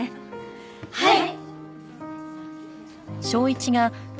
はい！